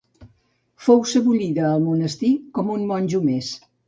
Fou sebollida al monestir, com un monjo més.